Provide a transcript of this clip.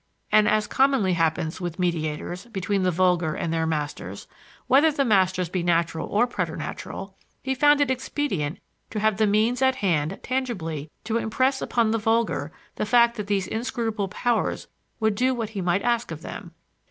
And as commonly happens with mediators between the vulgar and their masters, whether the masters be natural or preternatural, he found it expedient to have the means at hand tangibly to impress upon the vulgar the fact that these inscrutable powers would do what he might ask of them.